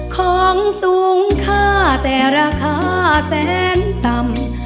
ของสูงค่าแต่ราคาแสนต่ำ